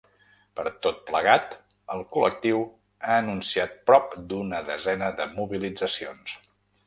Per tot plegat, el col·lectiu ha anunciat prop d’una desena de mobilitzacions.